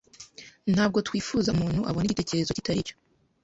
Ntabwo twifuza ko umuntu abona igitekerezo kitari cyo.